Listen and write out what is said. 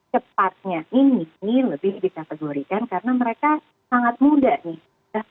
cepatnya ini lebih dikategorikan karena mereka sangat muda nih